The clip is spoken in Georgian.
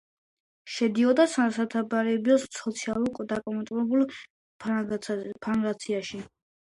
შედიოდა სათათბიროს სოციალ-დემოკრატიულ ფრაქციაში.